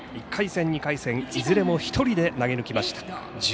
１回戦、２回戦いずれも１人で投げぬきました。